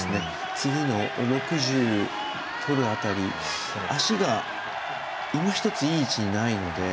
次の６０の辺り足がいまひとついい位置にないので。